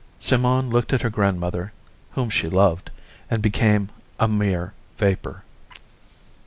Simone looked at her grandmother, whom she loved, and became a mere vapor.